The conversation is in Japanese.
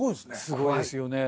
すごいですよね。